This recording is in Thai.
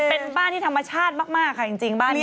เป็นบ้านที่ธรรมชาติมากค่ะจริงบ้านนี้